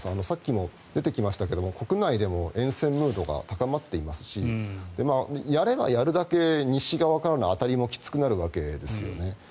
さっきも出てきましたが国内でも厭戦ムードが高まっていますしやればやるだけ西側からの当たりもきつくなるわけですね。